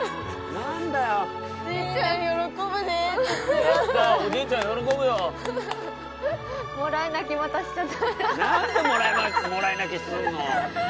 何回もらい泣きすんの。